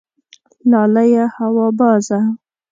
لالیه هوا بازه